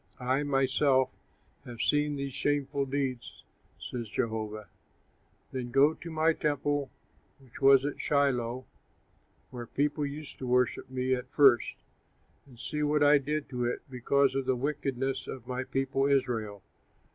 I myself have seen these shameful deeds,' says Jehovah. "'Then go to my temple which was at Shiloh, where people used to worship me at first, and see what I did to it because of the wickedness of my people Israel.